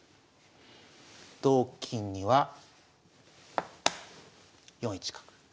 同金には４一角。